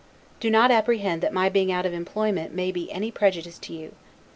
Do not apprehend that my being out of employment may be any prejudice to you.